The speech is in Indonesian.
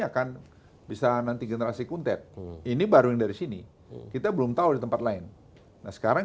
akan bisa nanti generasi kuntet ini baru yang dari sini kita belum tahu di tempat lain nah sekarang